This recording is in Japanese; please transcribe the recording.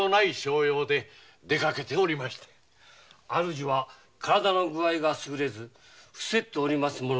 主は体の具合がすぐれずふせっておりますもので。